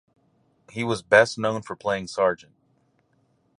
He was best known for playing Sgt.